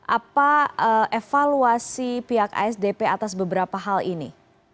apa evaluasi pihak asdp atas beberapa hal ini